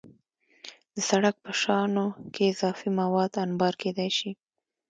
د سړک په شانو کې اضافي مواد انبار کېدای شي